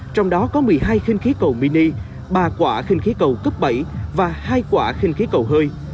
trong đó có một mươi hai khinh khí cầu mini ba quả kinh khí cầu cấp bảy và hai quả khinh khí cầu hơi